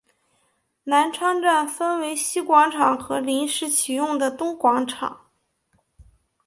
南昌站分为西广场和临时启用的东广场。